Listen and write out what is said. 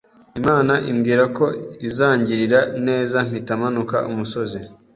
Imana imbwira ko izangirira neza mpita manuka umusozi